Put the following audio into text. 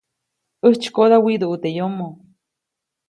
‒ʼäjtsykoda widuʼu teʼ yomoʼ-.